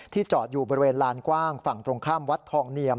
จอดอยู่บริเวณลานกว้างฝั่งตรงข้ามวัดทองเนียม